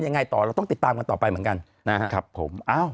ยังไงต่อเราต้องติดตามกันต่อไปเหมือนกันนะครับผม